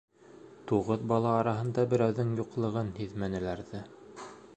Туғыҙ бала араһында берәүҙең юҡлығын һиҙмәнеләр ҙә.